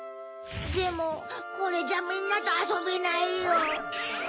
でもこれじゃみんなとあそべないよ。